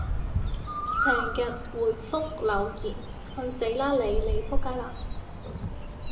成日回覆留言，去死啦你！你仆街啦！